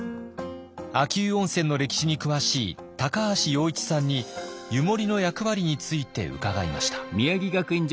秋保温泉の歴史に詳しい高橋陽一さんに湯守の役割について伺いました。